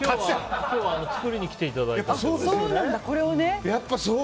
今日は作りに来ていただいて。